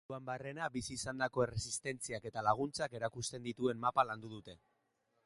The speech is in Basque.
Munduan barrena bizi izandako erresistentziak eta laguntzak erakusten dituen mapa landu dute.